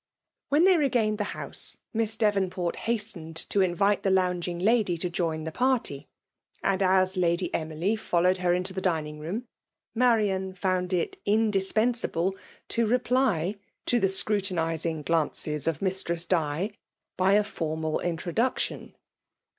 While they regained thehoose Miss Devon* port hastened to invUe the lounging lady to join the party ; and as Lady Emily foUoitied her into the dining room, Mcorian found it in« dispensable to refdy to the scmtinizing glances ef Blistress Di by a formal introduction.